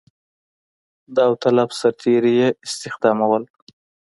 داوطلب سرتېري یې استخدامول.